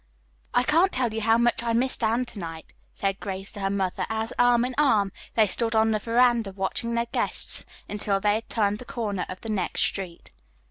"I can't tell you how much I missed Anne to night," said Grace to her mother as, arm in arm, they stood on the veranda watching their guests until they had turned the corner of the next street.